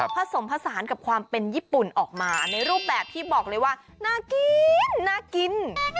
ผสมผสานกับความเป็นญี่ปุ่นออกมาในรูปแบบที่บอกเลยว่าน่ากินน่ากิน